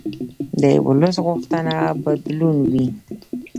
د ولس غوښتنه بدلون وي